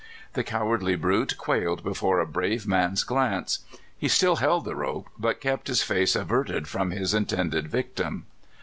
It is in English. The cowardly brute quailed before a brave man's glance. He still held the rope, but kept his face averted from his intended victim.